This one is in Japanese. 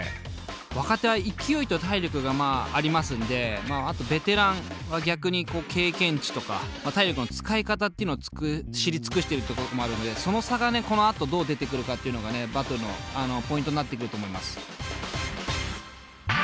若手は勢いと体力がありますんであとベテランは逆に経験値とか体力の使い方っていうのを知り尽くしているところもあるのでその差がこのあとどう出てくるかっていうのがバトルのポイントになってくると思います。